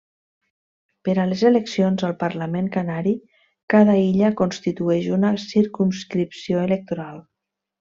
Per a les eleccions al Parlament Canari, cada illa constitueix una circumscripció electoral.